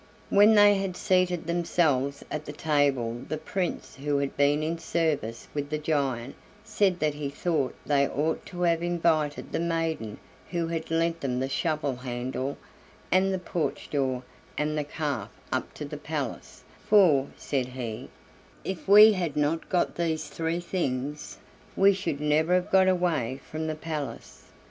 When they had seated themselves at the table the Prince who had been in service with the giant said that he thought they ought to have invited the maiden who had lent them the shovel handle, and the porch door, and the calf up to the palace, "for," said he, "if we had not got these three things, we should never have got away from the palace."